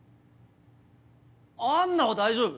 アンナは大丈夫！